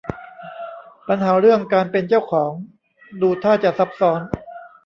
ปัญหาเรื่องการเป็นเจ้าของดูท่าจะซับซ้อน